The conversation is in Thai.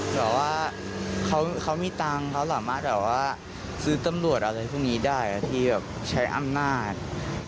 แต่ว่าเขามีตังค์เขาสามารถแบบว่าซื้อตำรวจอะไรพวกนี้ได้ที่แบบใช้อำนาจ